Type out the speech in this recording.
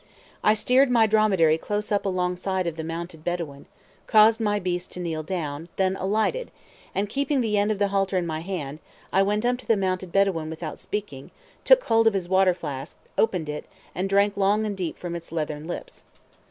I steered my dromedary close up alongside of the mounted Bedouin, caused my beast to kneel down, then alighted, and keeping the end of the halter in my hand, went up to the mounted Bedouin without speaking, took hold of his water flask, opened it, and drank long and deep from its leathern lips.